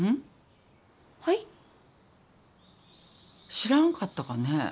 知らんかったかね？